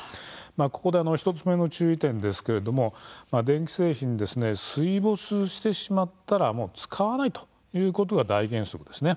ここで１つ目の注意点ですけれども電気製品、水没してしまったら使わないということが大原則です。